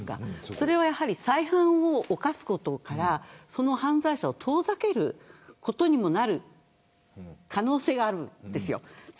それはやはり再犯を犯すことからその犯罪者を遠ざけることにもなる可能性があるんですよ。